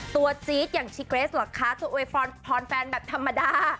ตัวจี๊ดอย่างชีเกรสหรอกคะตัวเอเวฟอนแฟนแบบธรรมดา